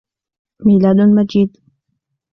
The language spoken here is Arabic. ميلاد مجيد.